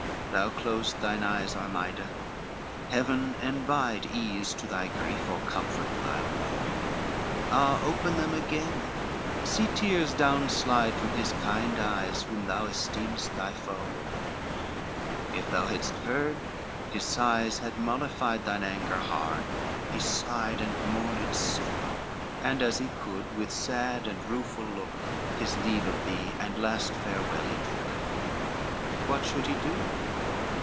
LX Thou closed thine eyes, Armida, heaven envied Ease to thy grief, or comfort to thy woe; Ah, open then again, see tears down slide From his kind eyes, whom thou esteem'st thy foe, If thou hadst heard, his sighs had mollified Thine anger, hard he sighed and mourned so; And as he could with sad and rueful look His leave of thee and last farewell he took. LXI What should he do?